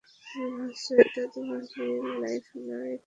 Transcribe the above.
তুমি ভাবছ, ওটা তোমার রিয়েল লাইফ নয়, ওটা কেবলই একটা বানানো জগৎ।